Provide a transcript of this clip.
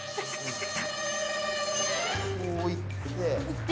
こう行って。